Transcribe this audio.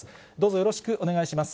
よろしくお願いします。